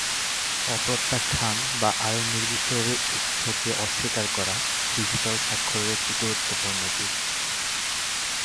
অ-প্রত্যাখ্যান বা আরও নির্দিষ্টভাবে উৎসকে অস্বীকার করা, ডিজিটাল স্বাক্ষরের একটি গুরুত্বপূর্ণ দিক।